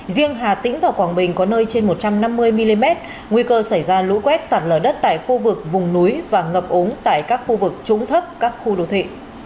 riêng hà tĩnh và quảng bình có nơi trên một trăm năm mươi mm nguy cơ xảy ra lũ quét sạt lở đất tại khu vực vùng núi và ngập ống tại các khu vực trúng thấp các khu đô thị